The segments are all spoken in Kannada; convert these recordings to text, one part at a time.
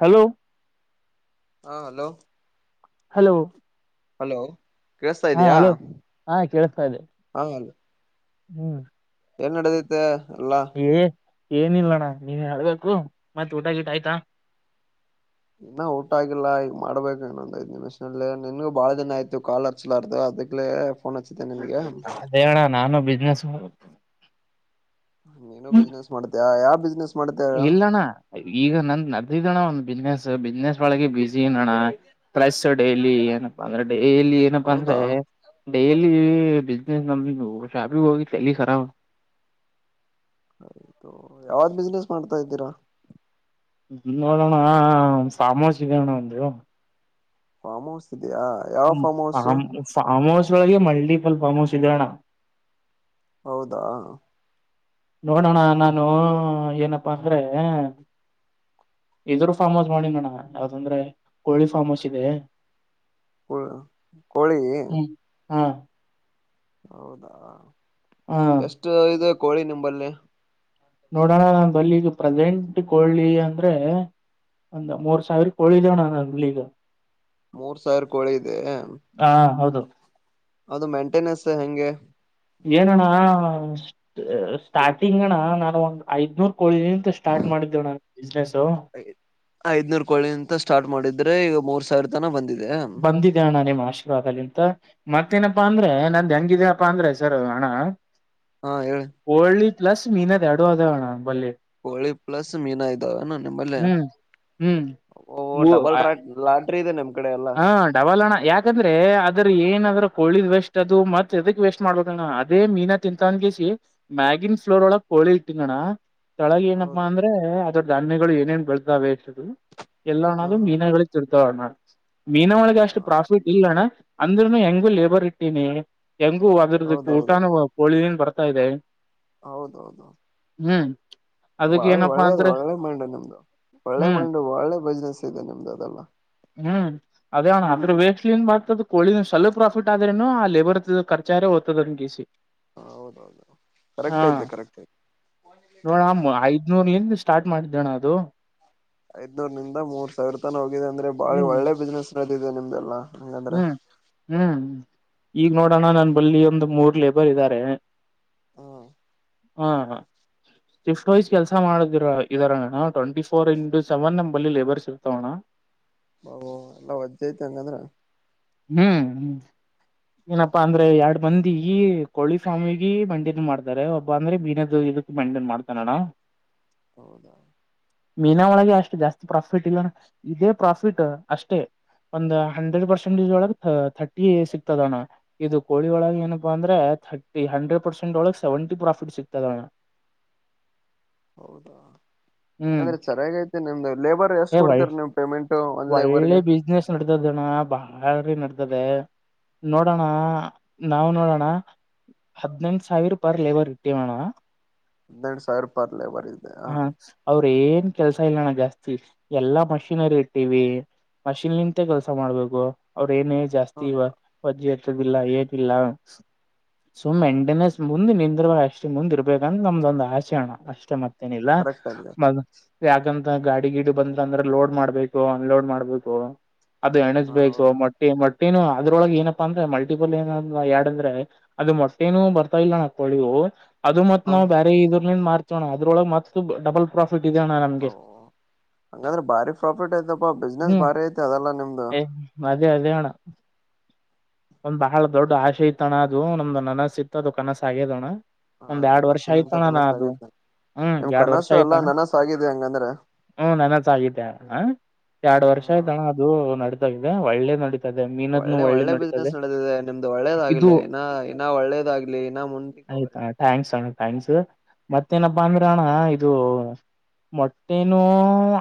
ಹಲೋ ಹಾ ಹಲೋ ಹಲೋ ಹಲೋ ಕೇಳ್ಸ್ತಾ ಹಾ ಇದಿಯಾ ಹಲೋ ಹಾ ಕೇಳಿಸ್ತಾ ಇದೆ ಹಾ ಹ್ಮ್ ಏನ್ ನಡದೈತೆ ಎಲ್ಲಾ ಏ ಏನಿಲ್ಲಣ್ಣ ನೀನ್ ಹೇಳ್ಬೇಕು ಮತ್ತ್ ಊಟಗಿಟ ಆಯ್ತಾ ಇನ್ನ ಊಟ ಆಗಿಲ್ಲ ಈಗ ಮಾಡ್ಬೇಕು ಇನ್ನೊಂದ್ ಐದು ನಿಮಿಷ್ಲ್ಲೇ ನಿನ್ಗು ಬಾಳ ದಿನ ಆಯ್ತು ಕಾಲ್ ಹಚ್ಚಲಾರ್ದೆ [inaudible] ಅದೇಣ್ಣ ನಾನು ಬಿಸ್ನೆಸ್ ನೀನು ಬಿಸ್ನೆಸ್ ಮಾಡ್ತಯ ಯಾವ ಬಿಸ್ನೆಸ್ ಮಾಡ್ತಯ ಇಲ್ಲಣ ಈಗ ನಂದು ನಡೆದಿದ್ದಣ ಒಂದ ಬಿಸ್ನೆಸ್ ಬಿಸ್ನೆಸ್ ಒಳಗೆ ಬಿಸಿ ಅಣ್ಣ [inaudible] ಡೈಲಿ ಏನಪ್ಪ ಅಂದ್ರೆ ಇಲ್ಲಿ ಏನಪ್ಪಾ ಅಂದ್ರೆ ಹೌದಾ ಡೈಲಿ ಬಿಸ್ನೆಸ್ ನಮ್ದ ಶಾಪಿಗೆ ಹೋಗಿತ್ತು ಎಲ್ಲಿ ಸರ ಯಾವ್ದು ಬಿಸ್ನೆಸ್ ಮಾಡ್ತಾ ಇದ್ದೀರಾ ನೋಡೋಣ ಸಾಮಾಜಗಣ ಒಂದು ಫಾರ್ಮ ಹೌಸ್ ಇದೆಯಾ ಯಾವ ಹ್ಮ farm house farm farm house ಒಳಗೆ ಮಲ್ಟಿಪಲ್ ಫಾರ್ಮ್ ಹೌಸ್ ಇದಣ್ಣ ಹೌದಾ ನೋಡೋಣ ನಾನು ಏನಪ್ಪಾ ಅಂದ್ರೆ ಇದರು ಫಾರ್ಮಸ್ ಮಾಡಿಣ್ಣ ಯಾವ್ದಂದ್ರೆ ಕೋಳಿ ಫಾರ್ಮ್ಸ್ ಇದೆ. ಹ ಕೋಳಿ. ಹು ಹೌದಾ ಹಾ ಎಷ್ಟು ಇದು ಕೋಳಿ ನಿಂಬಲ್ಲಿ ನೋಡೋಣ [inaudible] ಈಗ ಪ್ರಸೆಂಟ್ ಕೊಳಿ ಅಂದ್ರೆ ಅಂದ ಮೂರ್ ಸಾವಿರ ಕೊಳಿ ಇದೆ ಅಣ್ಣ ಅಲಿಗ ಮೂರ್ ಸಾವಿರ ಕೋಳಿ ಇದೆಯೆ ಹಾ ಹೌದು ಅದು ಮೇಂಟೆನೆನ್ಸ್ ಹೆಂಗೆ ಏನಣ್ಣ ಸ್ಟಾರ್ಟಿಂಗ್ ಅಣ್ಣ ನಾನು ಒಂದ್ ಐದನೂರ್ ನಿಂತ ಸ್ಟಾರ್ಟ್ ಮಾಡಿದ್ದಿವ ಅಣ್ಣ ಬಿಸ್ನೆಸು ್ರೆ ಈಗ ಮೂರ್ ಸಾವಿರ ತನ ಬಂದಿದೆ. ಬಂದಿದೆ ಅಣ್ಣ ನಿಮ್ಮ ಆಶೀರ್ವಾದಲಿಂತ. ಮತ್ತೇನಪ್ಪಾ ಅಂದ್ರೆ ನಂದು ಹೆಂಗಿದೀನಪ್ಪಾ ಅಂದ್ರೆ ಸರ್ ಹಣ. ಹಾ ಹೇಳ. ಪ್ಲಸ್ ಮೀನ್ದೆ ಎರಡು ಅದೋಣ ಬಲ್ಲಿ. ಕೋಳಿ ಪ್ಲಸ್ ಮೀನಾ ಇದ್ದಾವೆನ. ನಿ ಬ ಹ್ಮ್ ಹ್ಮ್ ಬಲ್ ಟ್ರಕ್ ಲ. ಹಾ ಡಬಲ್ಣ ಯಾಕಂದ್ರೆ ಅದ್ರ ಏನಾದ್ರು. ಕೋಿದ್ ವೇಸ್ಟ್ ಅದು ಮತ್ತತ್ ಅದಕ್ ವೇಸ್ಟ್ ಮಾಡ್ಬಣ್ಣ ಅದೇ ಮೀನ ತಿಂತ ಅನ್ಗಿಸಿ ಮ್ಯಾಗಿನ್ ಫ್ಲೋರ್ ಒಳ. ಕೋಳಿ ಇಟ್ಟಂಗಣ್ಣ ತೊಳಗ ಏನಪ್ಪಾ ಹೌದು ಅಂದ್ರೆ ಅದ್ರಧಾನ್ಯಗಳು ಏನೇನ್ ಬೆಳ್ತಾವೆ. ಎಲ್ಲ ಹ ಅಣೂ ಹ ಮೀನಾಗಳಿಗೆ ತಿರ್ತಾವಣ ಮೀನ ಒಳಗೆ ಅಷ್ಟು ಪ್ರಾಫಿಟ್ ಇಲ್ಲಣ್ಣ. ಅಂದ್ರನು ಹೆಂಗು ಲೇಬರ್ ಇಟ್ಟೀಿನಿ ಹೆಂಗು ಅದ್ರದಕ್ಕೆ ಹೌದೌದು ಊಟಾನ ಪೋಳ. ಬರ್ತಾ ಇದೆ. ಹೌದೌದು ಹ್ಮ್. ಅದಕ್ ಬಾಳ ಏನಪ್ಪಾ ಒಳ್ಳೇದು ಅಂದ್ರೆ ಒಳ್ಳೇ ಮಾಡಂಡೆ ನಿಮ್ದು. ಒಳ್ಳೆ ಹ್ಮ್ ಮಂಡು ಒಳ್ಳೆ ಬಿಸ್ನೆಸ್ ಇದೆ ನಿಮ್ದು ಅದೆಲ್ಲ. ಹ್ಮ್ ಅದೇ ಅವಣ ಅದ್ರ ವೇಸ್ಟ್ ಏನ್ ಬತದ ಕೋ ಸ್ವಲಪ ಪ್ರಾಫಿಟ್ ಆದ್ರೇನು ಆ ಲೇಬರ್ ಖರ್ಚಾರ ಓದ್ತ. ಗ ಸಿ. ಹೌದೌದು ಹಾ ಕರೆಕ್ಟ್ ಐತೆ ಕರೆಕ್ಟ್ ಐತೆ ನೋಡಮ್ಮ ಐದ್ನೂರು ಎನ್ಷ್ಟ. ಸ್ಟಾರ್ಟ್ ಮಾಡಿದ್ದೇಣ ಅದು. ಐದ್ನೂರ್ ನಿಂದ ಮೂರ್ ಸಾವಿರ ತನ ಹೋಗಿದೆ ಅಂದ್ರೆ ಬಾಿ ಒಳ್ಳೆ ಬಿಸ್ನೆಸ್ ನ ಇದೆ ನಿಮ್ದಲ್ಲಾ ಹ್ಮ್ ಹ್ಮ್ ಹ್ಮ್ ಈಗ್ ನೋಡೋಣ ನನ್ ಬಳ್ಳಿ ಒಂದು್ ಮೂರ್ ಲೇಬರ್ ಇದ್ದಾರೆ. ಹಾ ಹ್ಮ ಹಾ. ಸ್ಫ್ಟ್ ವ್ಸ್ ಕೆಲಸ ಮಾಡದಿರ ಇದಾರಣ ಟ್ವೆಂಟಿ ಫೋರ್ ಇಂಟು ಸೆವೆನ್ ನಲ್ಲಿ ಲೇಬರ್ಸ್ ಇರ್ತಾವಣ್ಣ ಹ ಎಲ್ಲ ವಜ್ಜ್ ಯ್ತಿ ಹಂಗಂದ್ರ. ಹ್ಮ್ ಹ್ಮ್. ಏನಪ್ಪಾ ಅಂದ್ರೆ ಎರಡ್ ಮಂದಿ ಕೋಳಿ ಸ್ವಾಮಿಗ ಮಂಡಿಿನ ಮಾಡ್ತಾರೆ ಒಬ್ಬ ಅಂದ್ರೆ ಬೀನದ. ಇದಕ್ಕೆ ಮೆಂಟನ್ ಮಾಡ್ತಾನಡ. ಹೌದಾ. ಮೀನ ಒಳಗೆ ಅಷ್ಟು ಜಾಸ್ತಿ ಪ್ರಾಫಿಟ್ ಇಲ್ಲ ಇದೇ ಪ್ರಾಫಿಟ್ ಅಷ್ಟೇ ಒಂದು ಹಂಡ್ರೆಡ್ ಪರ್ಸೆಂಟ್. ಒ ತರ್ಟಿ ಸಿತದಣ್ಣ ಇದು ಕೋಳಿ ಒಳಗೆ ಏನಪ್ಪಾ ಅಂದ್ರೆ ತರ್ಿ ಹಂಡ್ರೆಡ್ ಪರ್ಸೆಂಟ್. ಳಗೆ ಸೆವೆಂಟಿ ಪ್ರಾಫಿಟ್ ಸಿಗ್ತದೆಣ. [unintelligible] ಹೌದಾ ಹ್ಮ್ ಹಾಗಾದ್ರೆ ಚಣ ಯಾಗಐತೆ ನಿಮ್ದು ಲೇಬರ್ ಎಷ್ಟ ಏ ಒಳ್ಳ ಕೊಡ್ತರ ನೀಮ್ ಪೇಮೆಂಟ್. ಒಂದ್ ಒಳ್ಳೆ ಲೇಬರ್ಗೆ ಬಿಸ್ನೆಸ್ ನಡತದಣ್ಣ ಬಾ. ಆಿ ನಡ್ತದೆ ನೋಡೋಣ ನಾವು ನೋಡೋಣ. ಹದಿನೈಂದುು ಸಾವಿರ ಪರ್ ಲೇಬರ್ ಇಟ್ಟೇವೇಣ. ಎಂದೆಡು ಸಾವಿೂಪ ಅರಲ್ಲ ಬರದೆ ಹ ಅವ್ರ ಏನ್ ಕೆಲ್ಸ ಇಲ್ಲಣ ಜಾಸ್ತಿ ಎಲ್ಲಾ ಮಷೀನರಿ ಇ ಟಿವಿ ಮಷಿನ್ ನಿಂತ ಕೆಲ್ಸ ಮಾಡ್ಬೇಕು ಅವ್ರ ಏನೇ ಹೌದಾ ಜಾಸ್ತಿಜ ಇಿಲ್ಲ ಟಿಲ್ಲ. ಸುಮ್ಮ್ ಎಣಂಡನೇ ಮುಂದೆ ನಿಂದ್ರಾಗ ಅಷ್ಟೇ ಮುಂದ್ ಇರ್ಬೇಕಂದ್ರ ನಮ್ದೊಂದ ಆಸೆ. ಣ ಅಷ್ಟೇ ಮತ್ತೇನಿಲ್ಲ ಕರೆಕ್ಟ್ ಅದ ಮ ಯಾಕಂತ ಗಾಡಿ ಗಿಡಿ ಬಂದ್ರ ಅಂದ್ರೆ ಲೋಡ್ ಮಾಡ್ಬೇಕ. ಅನ್ಲೋಡ್ ಮಾಡ್ಬೇಕು ಅದು ಹ ಎಣಸ್ಬೇಕು ಹೌದು ಮೊಟ್ಟಿ ಮಟ್ಟ. ಮತ್ತೇನು ಅದ್ರೊಳಗೆ ಏನಪ್ಪಾ ಅಂದ್ರೆ ಮಲ್ಟಿಪಲ್ ಏನ ಯರಡ ಅಂದ್ರ ಅದು ಮೊಟ್ಟೇನು ಬರ್ತಾ ಇಲ್ಲ ನಾಕ್ಕಳಿವು. ಅದು ಮತ್ ಹ ನಾವು ಬೇರೆ ಇದ್ರಿಂದ ಮಾರ್ತೋಣ ಅದ್ರೊಳ ಮತ್ತ ಡಬಲ್ ಪ್ರಫ.. ಹಂಗಂದ್ರೆ ಭಾರಿ ಪ್ರಾಫಿಟ್ ಐತಪ್ಪಾ ಬಿಸ್ನೆಸ್ ಹ್ಮ್ ಭಾರಿ ಐತೆ ಅದಲ್ಲಾ ನಿಮ್ದು. ಏ ಅದೇ ಅದೇಣ. ಒಂದ್ ಬಹಳ ದೊಡ್ಡ ಆಶೆ ಇತ್ತಣ್ಣ ಅದು ನಮ್ದು ನನಸ ಇತ್ತು ಅದು ಕನಸ ಆಗ್ಯದಣ್ಣ. ಹ ಒಂದ್ ಎರಡ್ ವರ್ಷ ನನಸಿನಿಂದ ಆಯ್ತಣ ನಾ ಅದು ಕನಸಾಗೈತೆ ಹ್ಮ್ ನಿಮ್ ಎರಡ್ ವರ್ಷ ಕನಸು ಎಲ್ಲಾ ಆಯ್ತಣ್ಣ ನನಸ ಆಗಿದೆ ಹಂಗಂದ್ರೆ ಹ್ಮ ನೆನಸ ಆಗಿದ್ದ ಹ ಎರಡ್ ಹ ವರ್ಷ ಆಯ್ತಣ ಅದು ನಡ ದೆ ಒಳ್ಳೆ ನಡತಾದೆ ಮೀನದ್ನ್ನು ಒಳ್ಳೆ ನಡತ ್ ನಡೆದಿದೆ ನಿಮ್ದು ಒಳ್ಳೇದಾಗ್ಲಿ ಇನ್ನ ಇನ್ನ ಒಳ್ಳೇದಾಗ್ಲಿ ಇನ್ನ ಮುಂದಿಕ್ಕೆ ಹೋಗರ್ಲಿ ೈಂಸ್ ಮತ್ತೇನಪ್ಪಾ ಅಂದ್ರೆ ಅಣ್ಣ ಇದು ಮೊಟ್ಟೆನು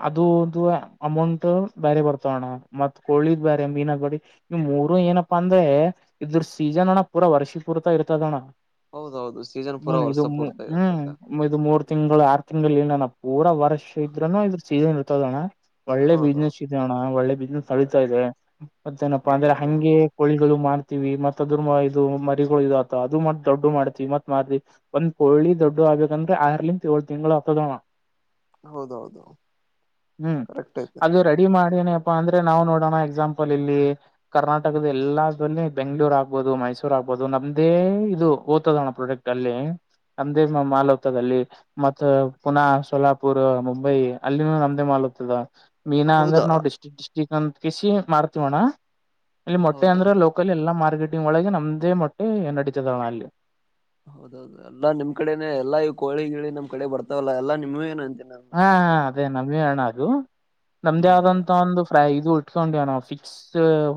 ಅದುದು ಅಮೌಂಟ್ ಬೇರೆ ಬರ್ತಾವ ಅಣ್ಣ ಮತ್ತ್ ಕೋಳಿದ್ ಬ ಮೀನಗೋಡಿ ಮೂರು ಏನಪ್ಪ ಪ್ಪ ಅಂದ್ರೆ ಇದ್ರ ಸೀಸನ್ ಅಣ್ಣ ಪೂರಾ ವರ್ಷಿ ಪೂರ್ತ ಇರ್ತದಣ್ಣ ಹೌದೌದು ಸೀಸನ್ ಪೂರಾ ಹ್ಮ್ ಇದು ವರ್ಷ ಪೂರ್ತಿ ಇರ್ತೈತೆ ಹ್ಮ್ ಇದು ಮೂರು ತಿಂಗಳು ಆರ್ ತಿಂಗಳನ ನ ಪೂರ ವರ್ಷ ಇದ್ೂನು ಇದ್ರ ಸೀಸನ್ ಇರ್ತದಣ್ಣ ಒಳ್ಳೆ ಬಿಸ್ನೆಸ್ ಹೌದೌದು ಇದೆ ಅಣ್ಣ ಒಳ್ಳೆ ಬಿಸ್ನೆಸ್ ನಳೀತಾ ಇದೆ ಮತ್ತೇನಪ್ಪಾ ಅಂದ್ರೆ ಹೌದೌದು ಹಂಗೆ ಮಾಡ್ತವಿ ಮತ್ ಅದ್ರ ಇದು ಮರಿಗಳು ಇ ಅದು ಮ ದೊಡ್ ಮಾಡ್ತವಿ ಮತ್ವಿಂದ ಹಳ್ಳಿ ದೊಡ್ಗ್ಬೇಕಂದ್ರೆ ಆರ್ಲಿಂತ ಏಳಳ್ ತಿಂಗಳು ಹತ್ತತದೋಣ ಹೌದೌದು ಹ್ಮ್ ಕರೆಕ್ಟ್ ಐತೆ ಅದು ರೆಡಿ ಮಾಡನೇ ಅಂದ್ರೆ ನಾವು ನೋಡೋಣ ಎಕ್ಸಾಂಪಲ್ ಇಲ್ಲಿ ಕರ್ನಾಟಕ ಎಲ್ಲ ಬೆಂಗ್ಗಳೂರ್ ಆಗ್ಬೋದು ಮೈಸೂರ್ ಆಗ್ಬೋದು ನಮ್ದೇ ಇದು ಓದ್ತದೋಣ್ಣ ಪ್ರಾಡಕ್ಟ್ ಅಲ್ಲಿ ನಮ್ದೇ ಮಾಲ್ ಹೋಗ್ತದ ಅಲ್ಲಿ ಮತ್ತ ಪುನ ಸೋಲಾಪುರ್ ಮುಂಬೈ ಅಲ್ಲಿನ ನಮ್ದೇ ಮಾಲ್ ಮೀನಾ ಅಂದ್ರೆ ಹೌದಾ ನಾವು ಡಿಸ್ಟಿಕ್ ಡಿಸ್ಟಿಕ್ ಅಂತ ಕಿಸಿ ಮಾಡ್ತವಣ ಇಲ್ಲಿ ಮೊಟ್ಟೆ ಹೌದಾ ಅಂದ್ರೆ ಲೋಕಲ್ ಎಲ್ಲಾ ಮಾರ್ಕೆಟಿಂಗ್ ಒಳಗೆ ನಮ್ದೇ ಮೊಟ್ಟೆ ನಡೀತದಣ ಅಲ್ಲಿ ಹೌದೌದು ಎಲ್ಲಾ ನಿಮ್ ಕಡೆನೆ ಎಲ್ಲಾ ಈ ಕೋಳಿ ಗೀಳಿಮ್ ಕಡೆ ಬರ್ತಾವಲ್ಲ ಎಲ್ಲಾ ನಿಮೇ ಅಂತ ಹಾ ಹಾ ಅದೇ ನಮ ಅಣ ಅದು ನಮ್ದೇ ಹೌದಾ ಆದಂತ ಒಂದು ಫ್ರೈ ಇದು ಉಟ ಕೊಂಡ ನಾವು ಫಿಕ್ಸ್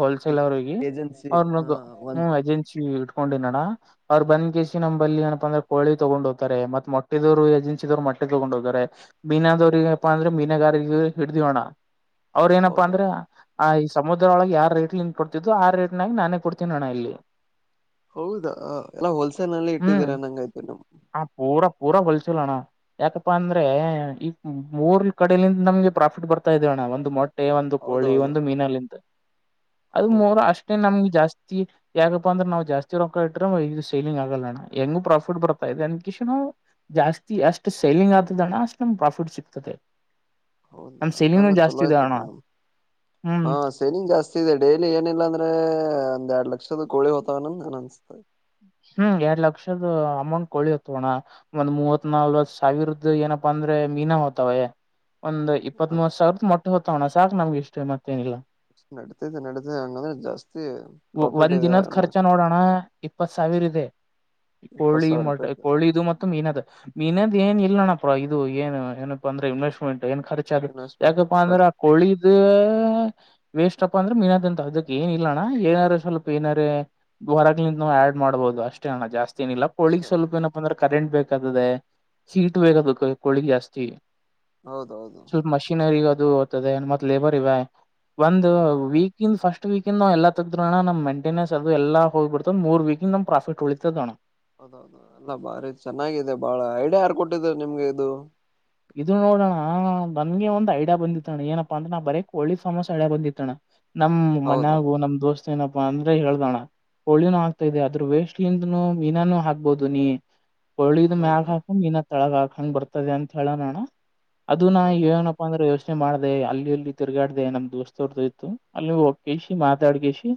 ಹೋಲ್ಸೇಲ್ ಅವ್ರರಿಗೆ ಏಜೆನ್ಸಿ ಅವ್ರ ಹ ಹ್ಮ ಒಂತ ಏಜೆನ್ಸಿ ಕೊಂಡಿನೋಣ ಅವ್ರು ಬಂದ್ ಕಸಿ ನಂಬಲ್ಲಿ ಏನಪ್ಪ ಅಂದ್ರ ಕಳಿ ತಗೊಂಡ ಹೋಗತ ಮೊಟ್ಟಿದವರು ಏಜೆನ್ಸಿದವ್ ಮಟ್ಟ ಮೊಂಡು ಹೋಗ್ತಾರೆ ಮೀನಾದವ್ರ ಏನಪ್ಪಾ ಅಂದ್ರೆ ಮೀನಗಾರಗ ಹಿಡ್ದೋಣ್ಣ ಅವ್ರ ಏನಪ್ಪಾ ಹೌದಾ ಅಂದ್ರ ಆ ಈ ಸಮುದ್ರ ಒಳಗೆ ಯಾವ ರೇಟ್ ನಿಿಂದ ಕೊಡ್ತಿದ್ದು ಆ ರೇಟ್ನಾಗ ನಾನೇ ಕೊಡ್ತೀನಿ ಅೋಣ ಇಲ್ಲಿ ಹೌದಾ ಎಲ್ಲಾ ಹೋಲ್ಸೇಲ್ ನಲ್ಲಿ ಹ್ಮ್ ಇಟ್ಟಿದೀರ ನಂಗಯ್ತು ನಿಮ ಆ ಪೂರಾ ಪೂರಾ ಹೊಲ್ಸಲೋಣ ಯಾಕಪ್ಪಾ ಅಂದ್ರೆ ಈ ಮೂರ್ ಕಡಲಿಿಂದ ನಮ್ಗೆ ಪ್ರಾಫಿಟ್ ಬರ್ತಾ ಇದೆ ಅಣ್ಣ ಒಂದು ಮೊ ಬಟ್ಟೆ ಒಂದು ಕೋಳಿ ಹೌದೌದು ಒಂದು ಮೀನಲ್ಲಿಂತ ಅದು ಹೌದು ಮೂರು ಅಷ್ಟೇ ನಮ್ಗೆ ಜಾಸ್ತಿ ಯಾಕಪ್ಪ ಅಂದ್ರೆ ನಾ್ ಜಾಸ್ತಿ ರೊಕ್ಕ ಇಟ್ಟ್ರೆ ಇದು ಸೇಲಿಂಗ್ ಆಗಲ್ಲಣ ಹೆಂಗು ಪ್ರಾಫಿಟ್ ಬರ್ತಾ ಇದೆ ಅಂದಕಿಸು ನಾವು ಜಾಸ್ತಿ ಅಷ್ಟು ಸೇಲಿಂಗ್ ಆದತದಣ ಅಷ್ಟ ನಮ ಪ್ರಾಫಿಟ್ ಸಿಗ್ತದೆ ಹೌದಾ ನಮ್ ಸೇಲಿಂಗ್ನು ಅದೆಲ್ಲ ಚೊಲೋ ಜಾಸ್ತಿ ಇದೆ ಅಣ್ಣ ಆಯ್ತಪ್ಪ ನ್ ಹ್ಮ್ ಹಾ ಸನಿಂಗ್ ಜಾಸ್ತಿ ಇದೆ ಡೈಲಿ ಏನಿಲ್ಲ ಅಂದ್ರೆ ಒಂದ್ ಎರಡು ಲಕ್ಷದ ಗೋಳ ಹೊತ ಆನಂದ ಆನಂದ ಹ್ಮ್ ಎರಡ್ ಲಕ್ಷದ ಅಮೌಂಟ್ ಕೊಳಿಯತ್ೋಣ ಒಂದ್ ಮೂವತ್ ನಲ್ವತ್ ಸಾವಿರದ ಏನಪ್ಪ ಅಂದ ಅಂದ್ರೆ ಮೀನ ಹೋ್ತವೇ ಒಂದ್ ಇಪ್ಪತ್ ಮೂವರ್ ಸಾವಿರದ ಮೊಟ್ಟೆ ಹೋ್ತವಣ ಸಾಕ ನಮ್ ಇಷ್ಟೇ ಮತ್ತ ೇನಿಲ್ಲ ನಡತತೆ ನಡತ ಹಂಗಂದ್ರೆ ಜಾಸ್ತಿ ಪ್ರಾಫಿಟ್ ಒಂದ್ ಇದೆ ದಿನದ ಎಲ್ಲ ಖರ್ಚ ನೋಡೋಣ ಇಪ್ಪತ್ ಸಾವಿರ ಇದೆ ಇಪ್ಪತ್ ಕೋಳಿ ಸಾವಿರ ಮೊ ರೂಪಾಯಿ ಕೋಳಿ ಇದು ಮತ್ತು ಮೀನದು ಮೀನ ಇ ಏ ಇಲ್ಲಣಪ್ಪ ಇದು ಏನು ಏನಪ್ಪ ಅಂದ್ರೆ ಇನ್ವೆಸ್ಟ್ಮೆಂಟ್ ಏನ್ ಖರ್ಚ ಅ ಇನ್ವೆಸ್ಟ್ಮೆಂಟ್ ಯಾಕಪ್ಪಾ ಅಂದ್ರ ಖರ್ಚು ಕೊಳಿದ ವೇಸ್ಟ್ ಅಪ್ಪ ಅಂದ್ರೆ ಮೀನಾದ ಅಂತ ಅದಕ್ ಏನ ಇಿಲ್ಲಣ್ಣ ಏನಾದಾರ ಸ್ವಲ್ಪ ಏನಾರ ದ್ವರಿಂದ ಆಡ್ ಮಾಡ್ಬಹುದು ಅಷ್ಟೇ ಅಣ ಜಾಸ್ತಿ ಏನಿಲ್ಲ ಕೋಳಿಗ್ ಅಷ್ಟೇ ಸ್ವಲ್ಪ ಏನಪ್ಪ ಅಂದ್ರೆ ಕರೆಂಟ್ ಬೇಕಾದದೆ ಹೀಟ್ ಬೇಗ ಕೋಳಿಗ್ ಜಾಸ್ತಿ ಹೌದೌದು ಸ್ವಲ್ಪ ಮಷೀನರಿ ್ತದೆ ಮ ಲೇಬರ್ ಇದೆ ಒಂದು ಹಾ ವೀಕ ಇ ಫಸ್ಟ್ ಎ ವೀಕ ನಾವ ಎಲ್ಲ ತಗ್ರೋಣ ನ ಮಂೆನೆನ್ಸ್ ಅದು ಎಲ್ಲ ಹೋಗ್ಬಡ್ತದ್ ಮೂರ್ ವೀಕಂದ ನಮ ಪ್ರಫಟ್ ಉಳಿತದ ಅಣ್ಣ ಹೌದೌದ ಅಲ್ಲ ಭಾರಿ ಚೆನ್ನಾಗಿದೆ ಬಾಳ ಐಡಿಯ ಯಾರು ಕೊಟ್ಟಿದರು ನಿಮ್ಗೆ ಇದು ಇದು ನೋಡೋಣ ನನ್ಗೆ ಒಂದು ಐಡಿಯಾ ಬಂದಿತ್ತಣ್ಣ ಏನಪ್ಪಾ ಅಂದ್ರ ನಾ ಬರಕ್ ಒಳ್ಳಿ್ ಸಮಸ್ಯ ಐಡ್ಯಾಾ ಬಂದಿತ್ತಣ್ಣ ನಮ ಹೌದಾ ಮನ್ಯಾಗು ನಮ್ ದೋಸ್ತ್ ಏನಪ್ಪಾ ಅಂದ್ರೆ ಹೇಳ್ದೋಣ ಹಳ್ಳಿನ ಹಾಕ್ತಾ ಇದೆ ಆದ್ರೂ ವೇಸ್ಟ್ಲಿಂದನು ಮೀನಾನು ಹಾಕ್ಬೋದು ನೀ ಒಳ್ಳಿದ್ ಮ್ಯಾಗ ಹೌದು ಹಾಕಂಗ ಮೀ ತೊಳಗ ಹಾಕಂಗ ಬರ್ತದೆ ಅಂತ ಹೇಳಣಣ್ಣ ಅದು ನ ಹೌದು ಏನಪ್ಪಾ ಅಂದ್ರೆ ಯೋಚನೆ ಮಾಡಿದೆ ಅಲ್ಲಿ ಅಲ್ಲಿ ತಿರುಗಾಡ್ದ ನಮ್ ದೋಸ್ತವ್ರ್ದು ಇ್ತತ್ತು ಅಲ್ಲಿ ಹೋಗ್ ಕಸಿ ಮಾತಾಡ್ ಕಸಿ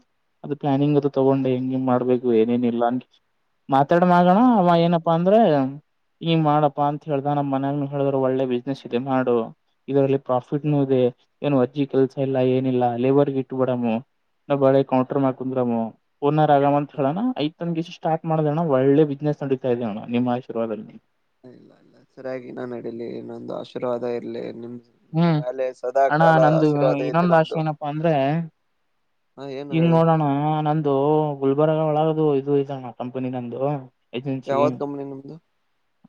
ಅದು ಪ್ಲಾನಿಂಗ್ ಅದು ತೊಗೊಂಡೆ ಹೆಂಗಗೆ ಮಾಡ್ಬೇಕು ಏನೇನ ಇಿಲ್ಲ ಅನ್ ಮಾತಾಡ ಮಗೋಣ ಅವ ಏನಪ್ಪಾ ಅಂದ್ರ ಹಂಗ ಮಾಡಪ್ಪಾ ಅಂತ ಹೇಳ್ದ ನಮ ಮನ್ಯಾಗ ಹೇಳ್ರರು ಒಳ್ಳೆ ಬಿಸ್ನೆಸ್ ಇದೆ ಮಾಡು ಇದರಲ್ಲಿ ಪ್ರಾಫಿಟ್ನು ಇದೆ ಏನು ಅಜ್ಜಿ ಕೆಲಸ ಇಲ್ಲ ಏನಿಲ್ಲ ಅಲೆವರ್ಗ ಇಟ್ಬೇಡಮ್ಮ ನ ಬಳೆ ಕೌಂಟರ್ ಮಾಡಕಂದ್ರಮ್ಮ ಓನರ್ ಆಗ ಅಂತ ಹೇಳೋಣ ಐ್ದ ಗಸ ಸ್ಟ್ ಮಾಡ್ದೋಣ್ಣ ಒಳ್ಳೆ ಬಿಸ್ನೆಸ್ ನಡತಾ ಇದದೆ ಅಣ್ಣ ನಿಮ್ಮ ಆಶೀರ್ವಾದದಲ್ಲಿ ಇಲ್ಲ ಇಲ್ಲ ಸರಿಯಾಗಿ ನಾನ್ ನಡೀಲಿ ಇನ್ನೊಂದು ಆಶೀರ್ವಾದ ಇರ್ಲಿ ನಿಮ್ದ ಹ್ಮ್ ಅಣ್ಣ ನಂದು ಐತೆ ಇನ್ನೊಂದ ಆಶೆ ನಮ್ದು ಏನಪ್ಪಾ ಅಂದ್ರೆ ಹ ಏನು ಹಂಗ ಹೇಳಿ ನೋಡೋಣ್ಣ ನಂದು ಗುಲ್ಬರ್ಗಾ ಒಳಗದು ಇದು ಇದಣ್ಣ ಕಂಪನಿ ನಂದು ಏಜೆನ್ಸಿ ಯಾವತ್ತು ಕಂಪ್ನಿ ನಿಮ್ದು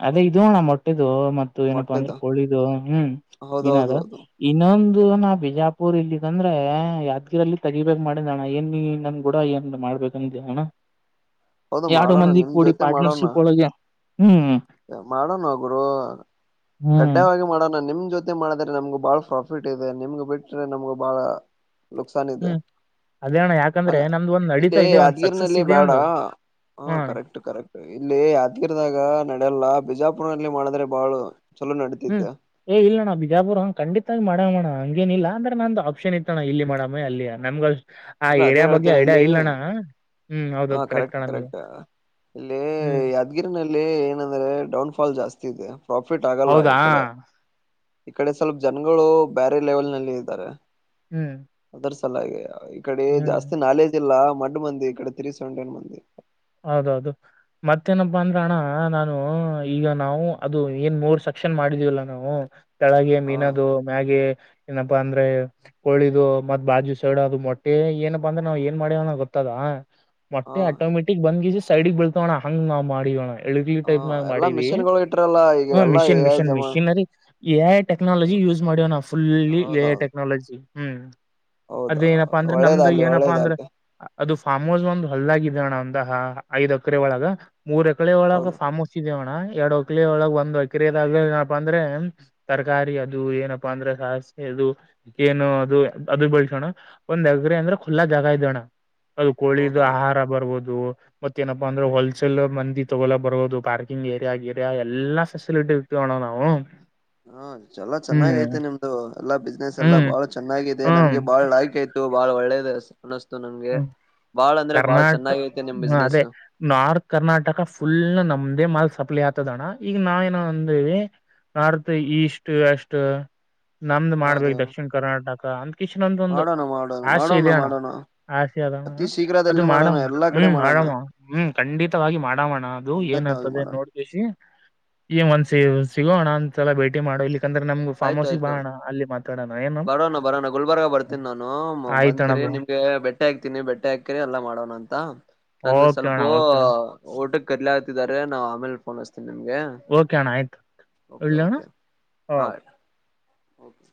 ಅದೇ ಇದುಣ ಮೊಟ್ಟ ಮ ಏನಪ್ಪಾ ಮೊಟ್ಟೆದ ಅಂದ್ರೆ ಕಳಿದು ಹ್ಮ್ ಹೌದೌದು ವಿನದ ಹೌದು ಇನ್ನೊಂದು ಇದು ನಾ ಬಿಜಾಪುರ್ ಇಲ್ಲ ಇದಂದ್ರೆ ಯಾದ್ಗಿರ ಅಲ್ಲಿ ತೆಗಿಬೇಕೇ ಮಾಡ ಣ ಏನ್ ನನ್ ಕೂಡ ಏನ್ ಮಾಡ್ಬೇಕಂದ ಅಣ್ಣ ಹೌದು ಆರಡುು ಮಂದಿ ಕೂಡಿ ಪಾರ್ನರ್ಶಿಪ್ ಹಳ ಮಾಡೋಣಗುರು ಹ್ಮ್ ಕಡ್ಡಾಯವಾಗಿ ಮಾಡೋಣ ನಿಮ್ ಜೊತೆ ಮಾಡಿದ್ರೆ ನಮ್ಗ ಬಹಳ ಪ್ರಾಫಿಟ್ ಇದೆ ನಿಮ್ಗ ಬಿಟ್ರೆ ನಮ್ಗೂ ಬಹಳ ನುಕ್ಸಾನ್ ಇದೆ ಹ್ಮ್ ಅದೇ ಅಣ್ಣ ಯಾಕಂದ್ರೆ ನಮ್ದು ಒಂದ್ ಇಲ್ಲಿ ನಡೀತಾ ಇದೆ ಒಂದ್ ಸಕ್ಸಸ್ ಯಾದ್ಗೀರಿನಲ್ಲಿ ಇದೆ ಬೇಡ ಒಂದು ಹಾ ಹ್ಮ ಅಣ್ಣ ಕರೆಕ್ಟ್ ಕರೆಕ್ಟ್ ಇಲ್ಲಿ ಹದ್ಗಿರ್ದಾಗ ನಡೆಯಲ್ಲ ಬಿಜಾಪುರಲ್ಲಿ ಮಾಡಿದ್ರೆ ಬಹಳ ಹ್ಮ್ ಏ ಇಲ್ಲಣ್ಣ ಬಿಜಾಪುರ ಖಂಡಿತಾಗಿ ಮಾಡ್ಯವಣ್ಣ ಹಂಗೇನಿಲ್ಲ ಅಂದ್ರೆ ನಂದುಆಪ್ಷನ್ ಇತ್ತನ ಇಲ್ಲಿ ಮಾಡಮಮ್ಮೆ ಅಲ್ಲಿ ನಮಗಷ್ಟ ಆ ಇಲ್ಲ ಏರಿಯಾ ಬಗ್ಗೆ ಐಡಿಯಾ ಇಲ್ಲಣ್ಣ ಹ್ಮ್ ಹಾ ಹೌದೌದು ಕರೆಕ್ಟ್ ಅಣ್ಣ ನೀವು ಕರೆಕ್ಟ್ ಇಲ್ಲಿ ಹ್ಮ್ ಯಾದ್ಗಿರಿನಲ್ಲಿ ಏನಂದ್ರೆ ಡೌನ್ ಫಾಲ್ ಜಾಸ್ತಿ ದೆ ಪ್ರಾಫಿಟ್ ಆಗಲ್ಲ ಈ ಹೌದಾ ಕಡೆ ಈ ಕಡೆ ಸ್ವಲ್ಪ ಜನಗಳು ಬೇರೆ ಲೆವೆಲ್ ನಲ್ಲಿ ಇದ್ದಾರೆ ಹ್ಮ್ ಚಲ ಈಕಡೆ ಹ್ಮ್ ಜಾಸ್ತಿ ನಾಲೆಜ್ ಇಲ್ಲ ಮಡ್ ಮಂದಿ ಇ ಕಡೆ ತ್ರೀ ಸೆವೆಂಟಿನ್ ಮಂದಿ ಹೌದೌದು ಮತ್ತೇನಪ್ಪಾ ಅಂದ್ರ ಅಣ್ಣ ನಾನು ಈಗ ನಾವು ಅದು ಏನ್ ಮೂರ್ ಸ ಕ್ಷನ್ ಮಾಡಿದೀವಲ್ಲ ನಾವು ತಳಗೆ ಹ ಮೀನದು ಮ್ಯಾಗೆ ಪ್ಪ ಅಂದ್ರೆ ಕೋಳಿದು ಮತ್ ಬಾಜು ಸೈಡ್ ಅದು ಮೊಟ್ಟೆ ಏನಪ್ಪಾ ಅಂದ್ರೆ ನಾವ್ ಏನ್ ಮಾಡಿವನ ಗೊತ್ತದಾ ಹ ಮೋಟೆಆಟೋಮೆಟಿಕ್ ಬಂದ್ ಗೀಜ ಸೈಡಗ್ ಬೀಳ್ತಾವಣ್ಣ ಹಂಗ್ ನಾವ್ ಮಾಡವೋಣ ಎಳಗ್ಲಿ ಹ ಟೈಪ್ನಾಗ ಎಲ್ಲಾ ಮಾಡೀವಿ ಮಿಷಿನ್ಗಳು ಇಟ್ರಲ್ಲ ಈಗ ಹ್ಮ ಎಲ್ಲಾ ಎ ಮಿಷಿನ್ ಐ ಮಿಷಿನ್ ಜಮಾ ಮಿಷೀನ್ರಿ ಏ ಟೆಕ್ನಾಲಜಿ ಯೂಸ್ ಮಾಡ್ಯವ ನಾವವು ಫುಲ್ಲಿ ಹೌದೌದು ಟೆಕ್ನಾಲಜಿ ಹ್ಮ್ ಹೌದಾ ಅದೇಏನಪ್ಪಾ ಅಂದ್ರೆ ಒಳ್ಳೇದ ನಮ್ದು ಅಲ್ಲಿ ಏನಪ್ಪಾ ಒಳ್ಳೇದ ಅಂದ್ರ ಅಲ್ಲಿ ಅದು ಫಾರ್ಮ್ ಹೌಸ್ ಒಂದು ಹಳ್ಳಾಗಿದ್ದ ಅಣ್ಣ ಒಂದ ಐದ್ ಅಕರೆ ಒಳಗ ಮೂರ್ ಎಕಡೆ ಒಳ ಹೌದು ಫ್ಮ್ ಹೌಸ್ ಇದೇವಣ್ಣ ಎರಡು ಹೊಕಲಿ ಒಳಗೆ ಒಂದ್ ಹೊಕ್ರದಾಗ ಏನಪ್ಪಾ ಅಂದ್ರೆ ತರಕಾರಿ ಅದು ಏನಪ್ಪಾ ಅಂದ್ರೆ ಸ ದು ಏನು ಅದು ಅದು ಬೆಳ್ಸೋಣ ಒಂದ್ ಎಗ್ರ ಅಂದ್ರೆ ಖುಲ್ಲಾ ಜಾಗ ಇದೋಣ್ಣ ಅದು ಕೋಳಿದು ಹೌದೌದು ಆಹಾರ ಬರ್ಬಹದು ಮತ್ತೇನಪ್ಪಾ ಅಂದ್ರೆ ಹೋಲ್ಸೇಲ್ ಮಂದಿ ತಗೋ ಬರಹದು ಪಾರ್ಕಿಂಗ್ ಏಯಾ ಆಗರಿಯಾ ಎಲ್ಲಾ ಫೆಸಿಲಿಟಿ ಟ್ಟ ಹೋ ನಾವು ಹಾ ಚಲ ಚೆನ್ನಾಗೈತೆ ಹ್ಮ್ ನಿಮ್ದು ಎಲ್ಲಾ ಬಿಸ್ನೆಸ್ ಎಲ್ಲಾ ಹ್ಮ್ ಬಾಳ ಚನ್ನಾಗಿದೆ ನನ್ಗೆ ಬಾಳ್ ಲಯ್ಕ್ ಆಯ್ತು ಭಾಳ ಒಳ್ಳೇದ ಅನಸ್ತು ನಂಗೆ ಕರ್ನಾಟ್ ಹ ಅದೇ ನಾರ್ತ್ ಕರ್ನಾಟಕ ಫುಲ್ ನಮ್ದೇ ಮಾಲ್ಸ ಸಪ್ಲಿ ಆತದಣ್ಣ ಈಗ ನಾವೇಏನೋ ಅಂದೇವಿ ನಾರ್ತ್ ಈಸ್ಟ್ ವೆಸ್ಟ್ ನಮ್ದ್ ಹೌದು ಮಾಡ್ಬೇಕಕ್ ದಕ್ಷಿಣ ಕರ್ನಾಟಕ ಅಂತಕಿಚ್ ನ್ದ ಮಾಡೋಣ ಮಾಡೋಣ ಒಂದುಆಸೆ ಮಾಡೋಣ ಇದ್ಯಣ್ಣ ಮಾಡೋಣ ಅತಿ ಅದು ಶೀಘ್ರದಲ್ಲಿ ಮಾಡ ಮಾಡೋಣ ಎಲ್ಲಾ ಕಡೆ ಹ್ಮ್ ಮಾಡೋಣ ಮಾಡಮ್ಮ ಹ್ಮ್ ಖಂಡಿತವಾಗಿ ಮಾಡಣ ಅದು ಏನ ಖಂಡಿತವಾಗಿ ಮಾಡೋಣ ನೋಡ್ ಬ ಈ ಒಂದಸ ಸಿಗೋ ನಾಂದ್ಸಲ ಭೇಟಿ ಮಾಡೋ ಇ ಯಾಕಂದ್ರೆ ನಮು ಫಾರ್ಮಸಿ ಆಯ್ತಾಯ್ತು ಬಾಣ ಅಲ್ಲಿ ಮಾತಾಡೋಣ ಏನ ಬರೋಣ ಬರೋಣ ಗುಲ್ಬರ್ಗ ಬರ್ತೀನಿ ನಾನು ಆಯ್ತಣ ಬಂದ್ಕರಿ ನಿಮ್ಗೆ ಬೆಟ್ಟೆ ಹಾಕ್ತೀನಿ ಬೆಟ್ಟೆ ಹಾಕ್ಕನ ಎಲ್ಲ ಮಾಡೋಣ ಅಂತ ನನ್ಗೆ ಓಕೆ ಸ್ವಲ್ಪ ಅಣ್ಣ ಓಕೆ ಅಣ್ಣ ಊಟ ಕರ್ಲೆ ಆತಿದಿದ್ದಾರೆ ನಾವ್ ಆಮೇಲೆ ಫೋನ್ತ ಓಕೆ ಅಣ್ಣ ಆಯ್ತು ಇಳ್ಳ ಅಣ್ಣ ಆಾಯು ಓಕೆ